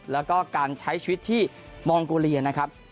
แล้วก็การใช้ชีวิตที่มองโกเลียนะครับ